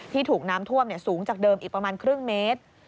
ที่ถูกน้ำท่วมสูงจากเดิมแค่ครึ่งเมตร